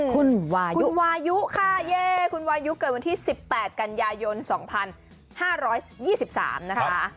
คุณวายุคุณวายุค่ะเย้คุณวายุเกิดวันที่สิบแปดกันยายนสองพันห้าร้อยยี่สิบสามนะคะครับ